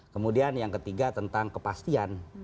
kemudian yang ketiga tentang kepastian